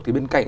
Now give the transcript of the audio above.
thì bên cạnh